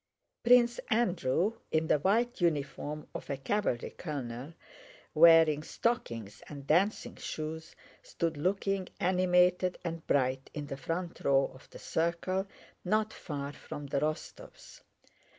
Prince Andrew, in the white uniform of a cavalry colonel, wearing stockings and dancing shoes, stood looking animated and bright in the front row of the circle not far from the Rostóvs.